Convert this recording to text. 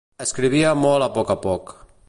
Escrivia molt a poc a poc.